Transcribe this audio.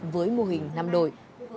với mô hình năm đội